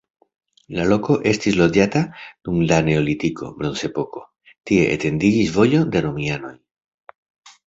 La loko estis loĝata dum la neolitiko, bronzepoko, tie etendiĝis vojo de romianoj.